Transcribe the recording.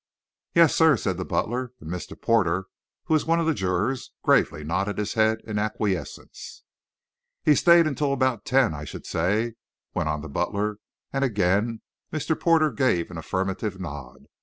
"Yes, sir," said the butler; and Mr. Porter, who was one of the jurors, gravely nodded his head in acquiescence. "He stayed until about ten, I should say," went on the butler, and again Mr. Porter gave an affirmative nod.